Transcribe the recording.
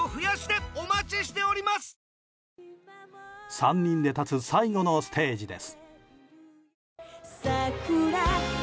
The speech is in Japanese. ３人で立つ最後のステージです。